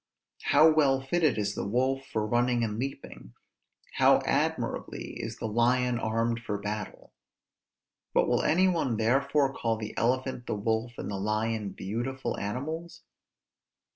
How well fitted is the wolf for running and leaping! how admirably is the lion armed for battle! but will any one therefore call the elephant, the wolf, and the lion, beautiful animals?